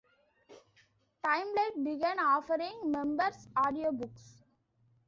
Time-Life began offering members audiobooks.